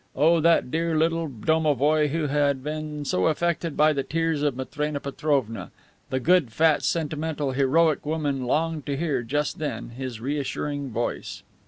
Oh, that dear little domovoi who had been so affected by the tears of Matrena Petrovna! The good, fat, sentimental, heroic woman longed to hear, just then, his reassuring voice.